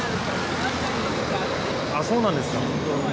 ああそうなんですか。